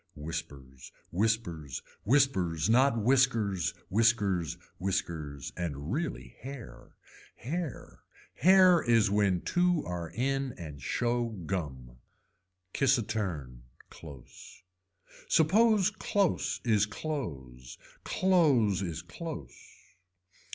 Whispers, whispers. Whispers not whiskers, whiskers, whiskers and really hair. Hair. Hair is when two are in and show gum. Kiss a turn, close. Suppose close is clothes, clothes is close.